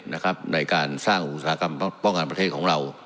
ในการสร้างอุตสาหกรรมป้องกันประเทศของเรา